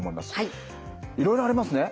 いろいろありますね。